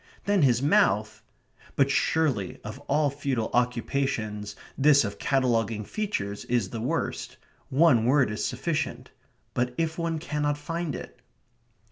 Then his mouth but surely, of all futile occupations this of cataloguing features is the worst. One word is sufficient. But if one cannot find it?